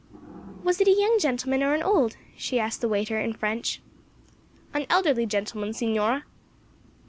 "Was it a young gentleman or an old?" she asked the waiter in French. "An elderly gentleman, Signora."